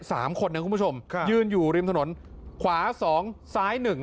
สามคนนะคุณผู้ชมยืนอยู่ริมถนนขวาสองซ้ายหนึ่ง